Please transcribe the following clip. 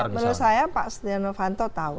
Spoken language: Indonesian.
menurut saya pak setia novanto tahu